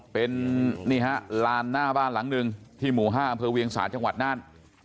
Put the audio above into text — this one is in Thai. เป็นนี่ฮะลานหน้าบ้านหลังหนึ่งที่หมู่๕อำเภอเวียงสาจังหวัดน่าน